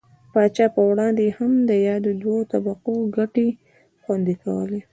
پاچا پر وړاندې یې هم د یادو دوو طبقو ګټې خوندي کولې.